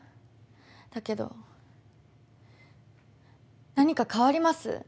だけど何か変わります？